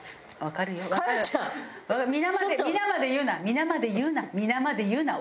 皆まで言うな皆まで言うな。